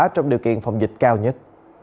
trong điều kiện phòng dịch cao nhất